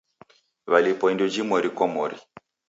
Walipwa indo jimweri kwa mori.